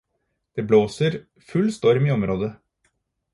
Det blåser full storm i området.